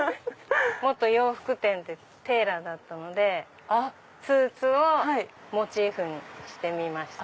洋服店テーラーだったのでスーツをモチーフにしてみました。